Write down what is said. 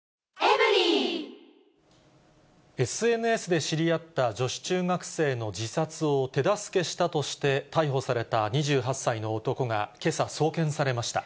ＳＮＳで知り合った女子中学生の自殺を手助けしたとして逮捕された２８歳の男が、けさ送検されました。